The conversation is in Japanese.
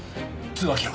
通話記録！